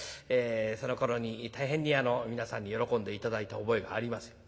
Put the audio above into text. そのころに大変に皆さんに喜んで頂いた覚えがあります。